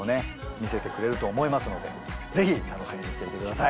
見せてくれると思いますのでぜひ楽しみにしていてください。